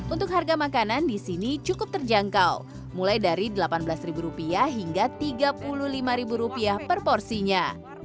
untuk harga makanan di sini cukup terjangkau mulai dari rp delapan belas hingga rp tiga puluh lima per porsinya